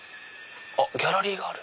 ギャラリーがある！